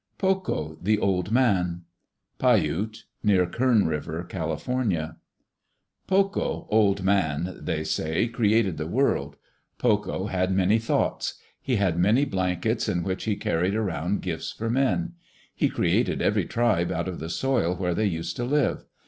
Pokoh, the Old Man Pai Ute (near Kern River, Cal.) Pokoh, Old Man, they say, created the world. Pokoh had many thoughts. He had many blankets in which he carried around gifts for men. He created every tribe out of the soil where they used to live.